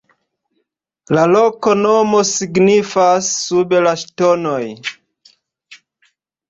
La loknomo signifas: "sub la ŝtonoj".